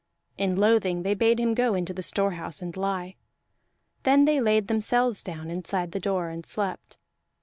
In loathing they bade him go into the storehouse and lie; then they laid themselves down inside the door, and slept.